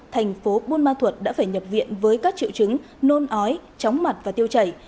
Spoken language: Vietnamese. tp bôn ma thuật đã phải nhập viện với các triệu chứng nôn ói chóng mặt và tiêu chảy